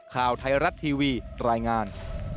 ข่าวไทยรัฐทีวีรายงาน